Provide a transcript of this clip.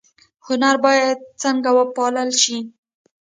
هنر باید څنګه وپال ل شي؟